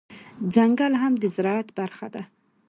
ځنګل هم د زرعت برخه ده